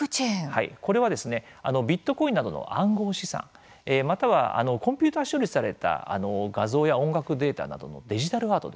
これはビットコインなどの暗号資産、またはコンピューター処理された画像や音楽データなどのデジタルアート